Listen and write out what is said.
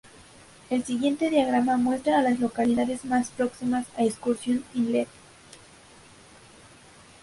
El siguiente diagrama muestra a las localidades más próximas a Excursión Inlet.